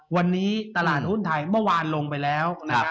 วันนี้ตลาดหุ้นไทยเมื่อวานลงไปแล้วนะครับ